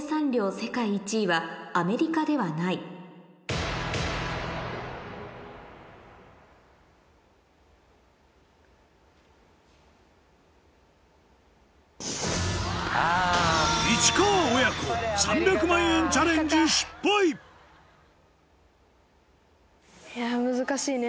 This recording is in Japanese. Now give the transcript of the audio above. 世界１位はアメリカではない市川親子や難しいね。